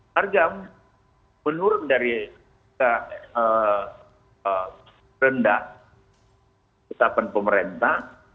harga menurun dari rendah ketapan pemerintah